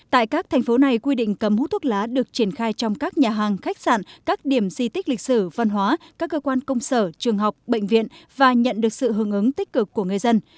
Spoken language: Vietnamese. tại các thành phố này quy định cấm hút thuốc lá được triển khai trong các nhà hàng khách sạn các điểm di tích lịch sử văn hóa các cơ quan công sở trường học bệnh viện và nhận được sự hướng ứng tích cực của người dân